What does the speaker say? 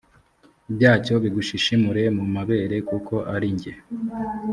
byacyo bigushishimure mu mabere kuko ari jye